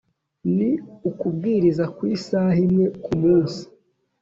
ni ukubwiriza ku isaha imwe ku munsi